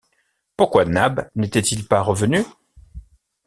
Pourquoi Nab n’était-il pas revenu?